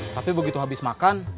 tapi begitu habis makan